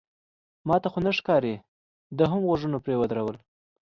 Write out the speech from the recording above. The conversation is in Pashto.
ما ته خو نه ښکاري، ده هم غوږونه پرې ودرول.